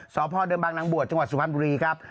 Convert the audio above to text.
สพดบางนางบ่วดจังหวัสสุภัณฑ์บุรีครับ